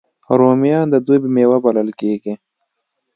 رومیان د دوبي میوه بلل کېږي